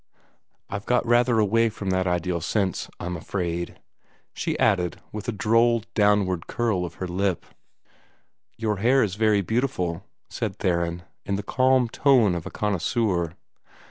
I've got rather away from that ideal since, I'm afraid," she added, with a droll downward curl of her lip. "Your hair is very beautiful," said Theron, in the calm tone of a connoisseur.